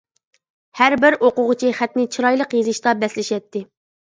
ھەربىر ئوقۇغۇچى خەتنى چىرايلىق يېزىشتا بەسلىشەتتى.